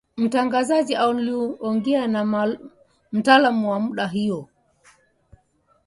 mtangazaji anaongea na mtaalamu wa mada hiyo